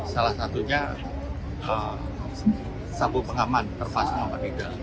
salah satunya sabuk pengaman terpasang apa tidak